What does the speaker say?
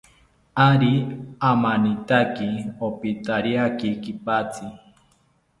Ari amanitaki, opithariaki kipatzi